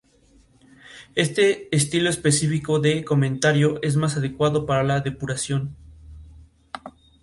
Este estilo específico de comentario es más adecuado para la depuración.